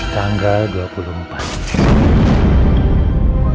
dan kak lagi walau apa pasti makan dua sedang